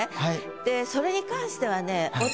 でそれに関してはね